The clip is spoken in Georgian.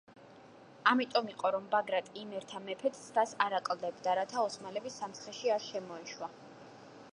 ამიტომ იყო, რომ ბაგრატ იმერთა მეფე ცდას არ აკლებდა, რათა ოსმალები სამცხეში არ შემოეშვა.